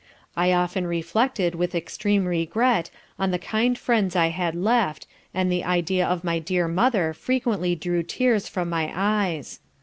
I often reflected with extreme regret on the kind friends I had left, and the idea of my dear mother frequently drew tears from my eyes.